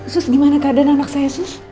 sus gimana keadaan anak saya sus